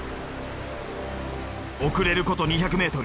遅れること２００ｍ。